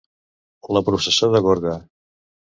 La processó de Gorga.